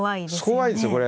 怖いですよ。